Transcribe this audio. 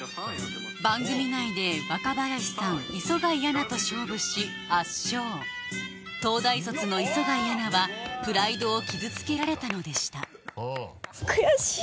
番組内で若林さん磯貝アナと勝負し圧勝東大卒の磯貝アナはプライドを傷つけられたのでした悔しい！